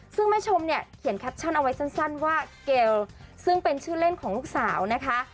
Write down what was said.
ซึ่งแม่ชมเนี่ยเขียนแคปชั่นเอาไว้สั้นว่าเกลซึ่งเป็นชื่อเล่นของลูกสาวนะคะ